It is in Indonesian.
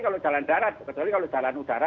kalau jalan darat kecuali kalau jalan udara